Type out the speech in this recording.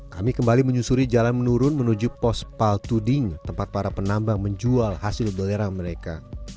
kami kembali menyusuri jalan menurun menuju pos paltuding tempat para penambang menjual hasil belerang mereka